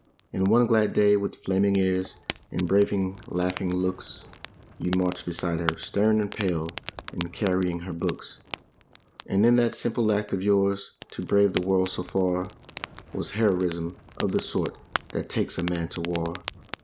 And one glad day, with flaming ears, and braving laughing looks, You marched beside her, stern and pale, and carrying her books. And in that simple act of yours, to brave the world so far Was heroism of the sort that takes a man to war.